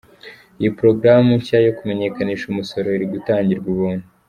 Iyi porogaramu nshya yo kumenyekanisha umusoro iri gutangirwa ubuntu.